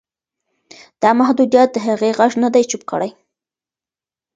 دا محدودیت د هغې غږ نه دی چوپ کړی.